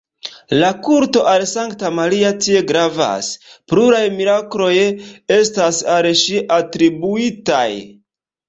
La kulto al sankta Maria tie gravas, pluraj mirakloj estas al ŝi atribuitaj.